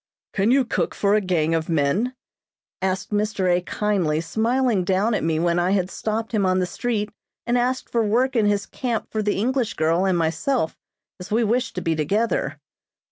"Can you cook for a gang of men?" asked Mr. A. kindly smiling down at me when I had stopped him on the street and asked for work in his camp for the English girl and myself, as we wished to be together.